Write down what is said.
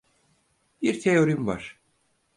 Bir teorim var.